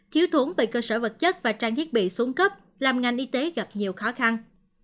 thiếu thốn về cơ sở vật chất và trang thiết bị xuống cấp làm ngành y tế gặp nhiều khó khăn